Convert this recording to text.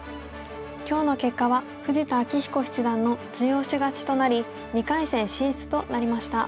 今日の結果は富士田明彦七段の中押し勝ちとなり２回戦進出となりました。